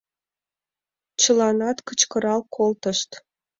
— чыланат кычкырал колтышт.